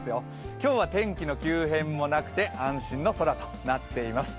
今日は天気の急変もなくて安心の空となっています。